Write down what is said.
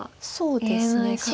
そうですね。